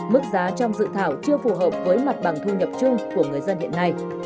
mức giá trong dự thảo chưa phù hợp với mặt bằng thu nhập chung của người dân hiện nay